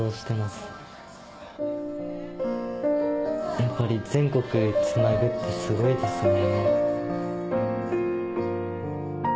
やっぱり全国つなぐってすごいですね。